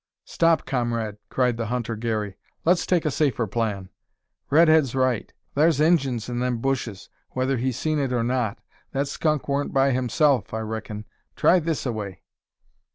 "Stop, comrade!" cried the hunter Garey; "let's take a safer plan. Redhead's right. Thar's Injuns in them bushes, whether he seen it or not; that skunk warn't by himself, I reckin; try this a way!"